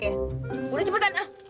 ya udah jepetan